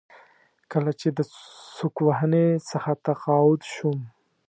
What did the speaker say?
کله چې د سوک وهنې څخه تقاعد شوم.